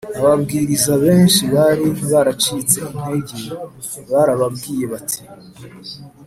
Ababwiriza benshi bari baracitse intege barababwiye bati